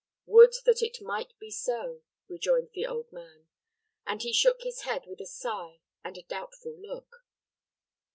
"Would that it might be so," rejoined the old man; and he shook his head with a sigh and a doubtful look.